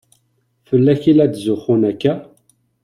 Fell-ak i la tzuxxun akka?